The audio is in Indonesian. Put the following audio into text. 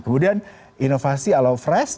kemudian inovasi alau fresh